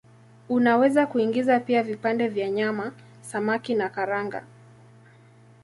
Unaweza kuingiza pia vipande vya nyama, samaki na karanga.